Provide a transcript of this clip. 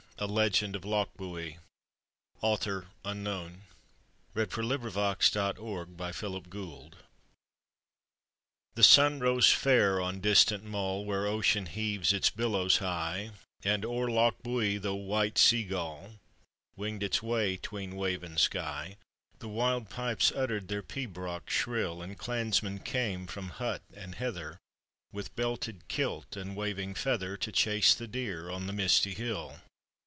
Malcolm Garry was a henchman of MacLean of Lochbuie.] The sun rose fair on distant Mull, "Where ocean heaves its billows high, And o'er Loch Buy the white sea gull Winged its way 'tween wave and sky; The wild pipes uttered their pibroch shrill And clansmen came from hut and heather, With belted kilt and waving feather To chase the deer on the misty hill.